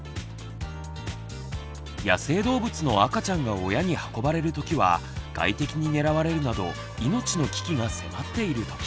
野生動物の赤ちゃんが親に運ばれるときは外敵に狙われるなど命の危機が迫っているとき。